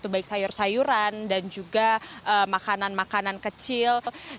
baik sayur sayuran dan juga makanan makanan kecil